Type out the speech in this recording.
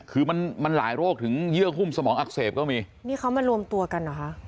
คือมันมันหลายโรคถึงเยื่อหุ้มสมองอักเสบก็มีนี่เขามารวมตัวกันเหรอคะ